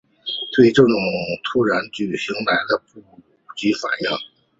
对这突然的举动来不及反应